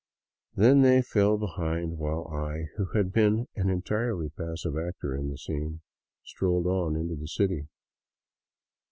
Then they fell behind, while I, who had been an entirely passive actor in all the scene, strolled on into the city.